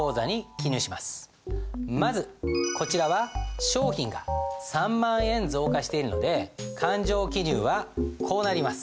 まずこちらは商品が３万円増加しているので勘定記入はこうなります。